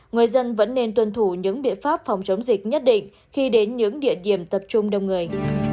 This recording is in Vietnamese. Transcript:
người dân vẫn nên tuân thủ những biện pháp phòng chống dịch nhất định khi đến những địa điểm tập trung đông người